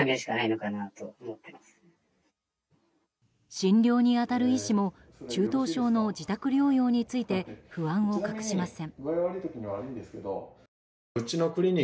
診療に当たる医師も中等症の自宅療養について不安を隠しません。